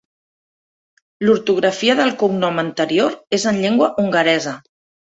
L'ortografia del cognom anterior és en llengua hongaresa.